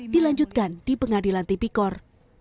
dilanjutkan di pengadilan tipikor